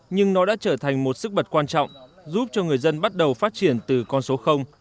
nhưng nó đã trở thành một sức bật quan trọng giúp cho người dân bắt đầu phát triển từ con số